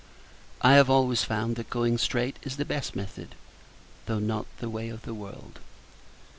I have always found, that going straight is the best method, though not the way of the world.